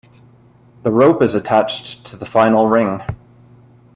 The rope is attached to the final ring.